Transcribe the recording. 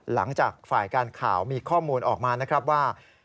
หลังจากฝ่ายการข่าวมีข้อมูลออกมานะครับว่า